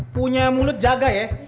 punya mulut jaga ya